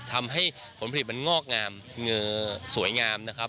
ทำให้ผลผลิตมันงอกงามสวยงามนะครับ